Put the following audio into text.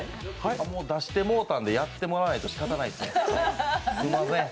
もう出してもうたんでやってもらわないとしかたないですね。